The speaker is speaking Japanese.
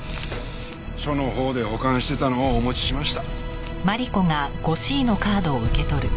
署のほうで保管してたのをお持ちしました。